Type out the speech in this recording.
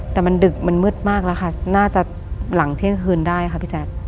แต่มันดึกมันมืดมากแล้วค่ะน่าจะหลังเที่ยงคืนได้ค่ะพี่แจ๊ค